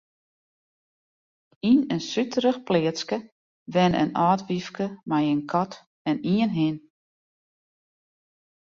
Yn in suterich pleatske wenne in âld wyfke mei in kat en ien hin.